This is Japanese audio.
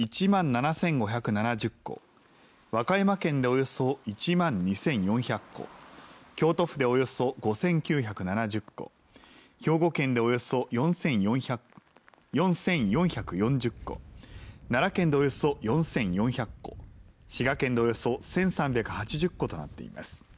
大阪府でおよそ１万７５７０戸、和歌山県でおよそ１万２４００戸、京都府でおよそ５９７０戸、兵庫県でおよそ４４００戸、奈良県でおよそ４４００戸、滋賀県でおよそ１３８０戸となっています。